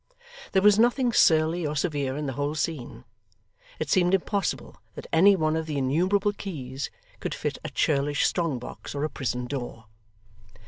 There was nothing surly or severe in the whole scene. It seemed impossible that any one of the innumerable keys could fit a churlish strong box or a prison door.